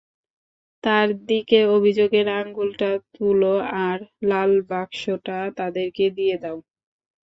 তার দিকে অভিযোগের আঙুলটা তুলো আর লাল বাক্সটা তাদেরকে দিয়ে দাও।